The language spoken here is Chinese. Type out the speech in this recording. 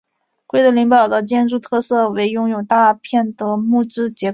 奎德林堡的建筑特色为拥有大片的木质结构房屋。